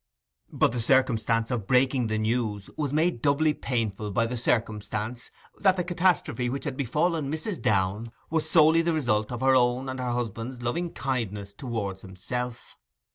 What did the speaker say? But the duty of breaking the news was made doubly painful by the circumstance that the catastrophe which had befallen Mrs. Downe was solely the result of her own and her husband's loving kindness towards himself.